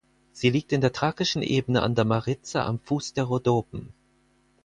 Sie liegt in der Thrakischen Ebene an der Mariza am Fuß der Rhodopen.